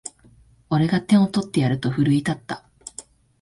俺が点を取ってやると奮い立った